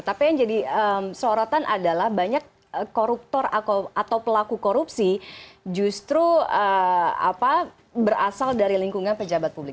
tapi yang jadi sorotan adalah banyak koruptor atau pelaku korupsi justru berasal dari lingkungan pejabat publik